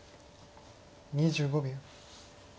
２５秒。